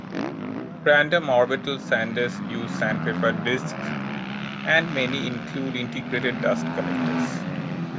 Random-orbital sanders use sandpaper disks, and many include integrated dust collectors.